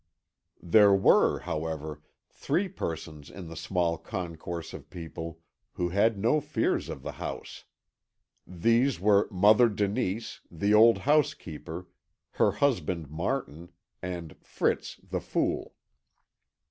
There were, however, three persons in the small concourse of people who had no fears of the house. These were Mother Denise, the old housekeeper, her husband Martin, and Fritz the Fool.